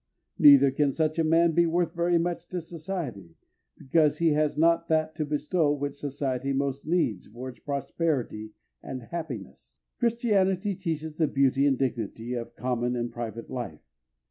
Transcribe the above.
Neither can such a man be worth very much to society, because he has not that to bestow which society most needs for its prosperity and happiness. Christianity teaches the beauty and dignity of common and private life.